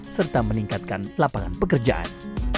serta meningkatkan lapangan pekerjaan